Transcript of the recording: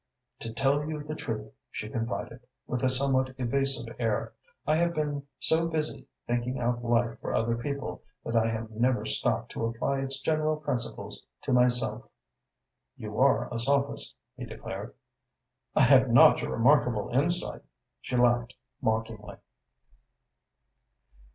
"To tell you the truth," she confided, with a somewhat evasive air, "I have been so busy thinking out life for other people that I have never stopped to apply its general principles to myself." "You are a sophist," he declared. "I have not your remarkable insight," she laughed mockingly.